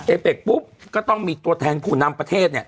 เอเป็กปุ๊บก็ต้องมีตัวแทนผู้นำประเทศเนี่ย